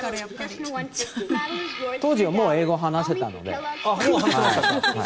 当時はもう英語、話せたので。